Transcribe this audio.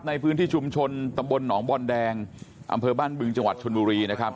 ในพื้นที่ชุมชนตำบลหนองบอลแดงอำเภอบ้านบึงจังหวัดชนบุรีนะครับ